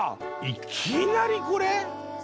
いきなりこれ？